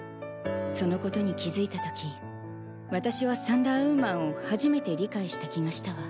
そのことに気付いたとき私はサンダーウーマンを初めて理解した気がしたわ。